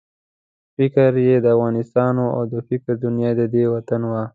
فکر یې د افغانستان وو او د فکر دنیا یې ددې وطن وه.